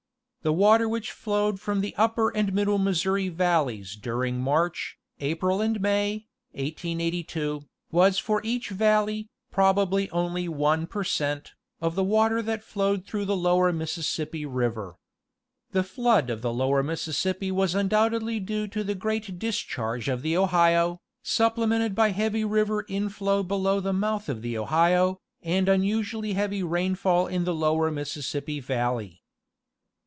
The water which flowed from the upper and middle Mis souri valleys during March, April and May, 1882, was for each valley, probably only 1 per cent. of the water that flowed through the lower Mississippi river. The flood of the lower Mississippi was undoubtedly due to the great discharge of the Ohio, supple mented by heavy river inflow below the mouth of the Ohio, and the unusually heavy rainfall in the lower Mississippi valley.